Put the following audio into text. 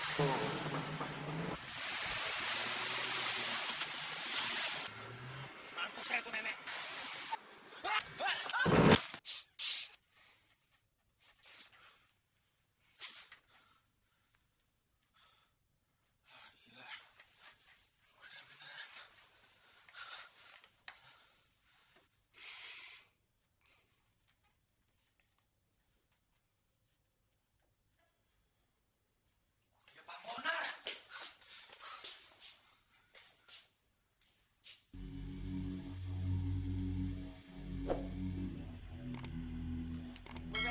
jadi juga ikut mabuk nanya rencing gue